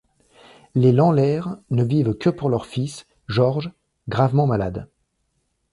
Les Lanlaire ne vivent que pour leur fils, Georges, gravement malade.